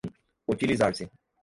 utilizar-se